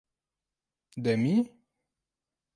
De mi?